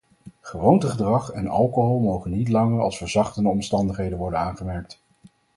Gewoontegedrag en alcohol mogen niet langer als verzachtende omstandigheden worden aangemerkt.